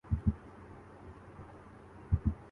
بینکوں کے غیرملکی زرمبادلہ کے ذخائر مسلسل زوال کا شکار